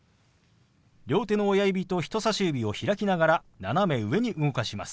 両手の親指と人さし指を開きながら斜め上に動かします。